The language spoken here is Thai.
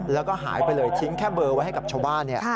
แล้วก็หายไปเลยทิ้งแค่เบอร์ไว้ให้กับชาวบ้าน